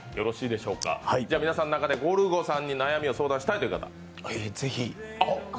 皆さんの中でゴルゴさんに悩みを相談したいという方。